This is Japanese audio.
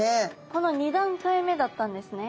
この２段階目だったんですね。